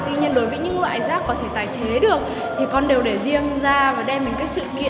tuy nhiên đối với những loại rác có thể tài chế được thì con đều để riêng ra và đem đến các sức khỏe